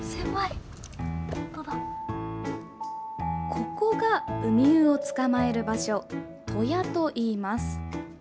ここが、ウミウを捕まえる場所鳥屋といいます。